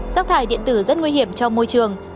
rác thải điện tử rất nguy hiểm cho môi trường